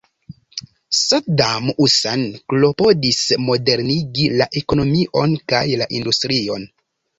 Saddam Hussein klopodis modernigi la ekonomion kaj la industrion.